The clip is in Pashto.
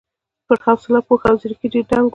پر حوصله، پوهه او ځېرکۍ ډېر دنګ و.